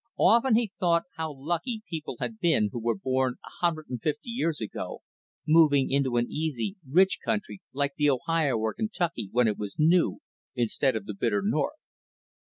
Often, he'd thought how lucky people had been who were born a hundred and fifty years ago, moving into an easy, rich country like the Ohio or Kentucky when it was new, instead of the bitter North.